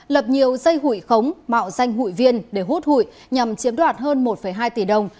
lập nhiều dây hủy khống mạo danh hủy viên để hút hủy nhằm chiếm đoạt hơn một hai tỷ đồng